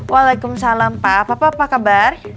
waalaikumsalam pa papa apa kabar